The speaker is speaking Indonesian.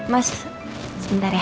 mas sebentar ya